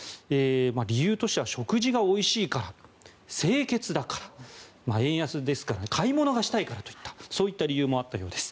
理由としては食事がおいしいから、清潔だから円安ですから買い物がしたいからといったそういった理由もあったようです。